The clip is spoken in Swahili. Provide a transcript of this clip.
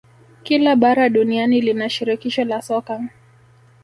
Kila bara duniani lina shirikisho la soka